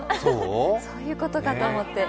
そういうことかと思って。